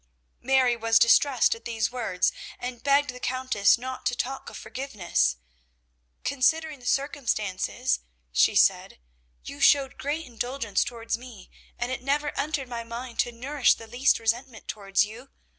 Mary was distressed at these words, and begged the Countess not to talk of forgiveness. "Considering the circumstances," she said, "you showed great indulgence towards me, and it never entered my mind to nourish the least resentment towards you.